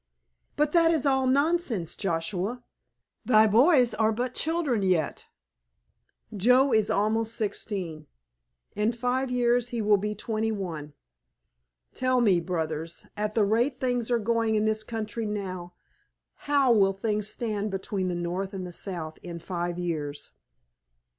"But that is all nonsense, Joshua, thy boys are but children yet." "Joe is almost sixteen. In five years he will be twenty one. Tell me, brothers, at the rate things are going in this country now how will things stand between the North and South in five years?"